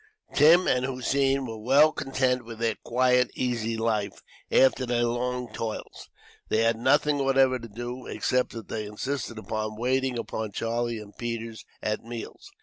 Tim and Hossein were well content with their quiet, easy life, after their long toils. They had nothing whatever to do, except that they insisted upon waiting upon Charlie and Peters, at meals.